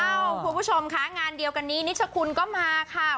คุณผู้ชมค่ะงานเดียวกันนี้นิชคุณก็มาค่ะ